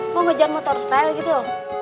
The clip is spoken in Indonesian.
mau ngejar motor trail gitu